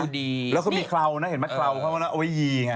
ดีแล้วเขามีเครานะเห็นไหมเคลาเขานะเอาไว้ยีไง